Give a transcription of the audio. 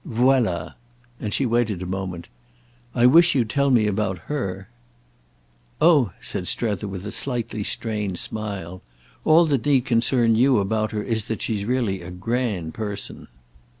"Voilà." And she waited a moment. "I wish you'd tell me about her." "Oh," said Strether with a slightly strained smile, "all that need concern you about her is that she's really a grand person."